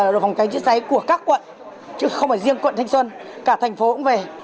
đội phòng cháy chữa cháy của các quận chứ không phải riêng quận thanh xuân cả thành phố cũng về